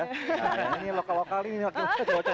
nah ini lokal lokal ini makin makin cowok cowok lokal